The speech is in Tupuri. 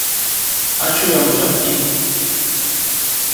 Á coo yaŋ jag ɓi.